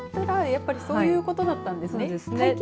そういうことだったんですね。